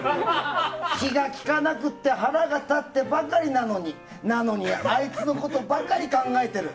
気が利かなくって腹が立ってばかりなのにあいつのことばかり考えている。